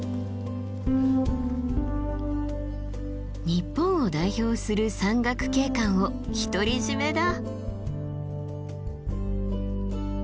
日本を代表する山岳景観を独り占めだ。